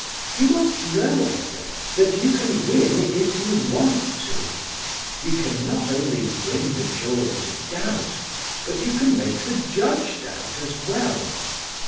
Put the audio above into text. "You must know," I said, "that you can win if you want to. You can not only bring the jury to doubt, but you can make the judge doubt as well.